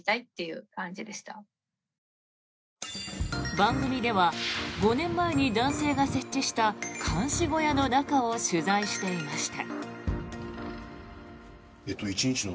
番組では５年前に男性が設置した監視小屋の中を取材していました。